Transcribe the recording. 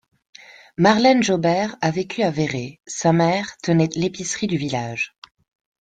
Marlène Jobert a vécu à Verrey, sa mère tenait l'épicerie du village.